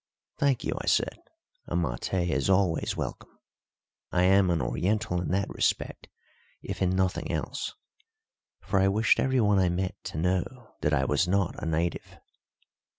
"Thank you," I said, "a maté is always welcome. I am an Oriental in that respect if in nothing else." For I wished everyone I met to know that I was not a native.